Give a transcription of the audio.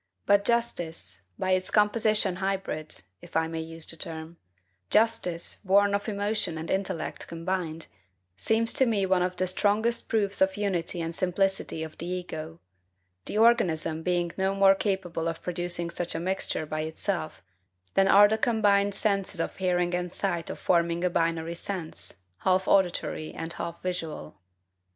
But justice, by its composition hybrid if I may use the term, justice, born of emotion and intellect combined, seems to me one of the strongest proofs of the unity and simplicity of the ego; the organism being no more capable of producing such a mixture by itself, than are the combined senses of hearing and sight of forming a binary sense, half auditory and half visual.